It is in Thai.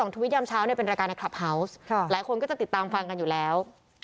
ทวิตยามเช้าเป็นรายการในคลับเฮาวส์หลายคนก็จะติดตามฟังกันอยู่แล้ว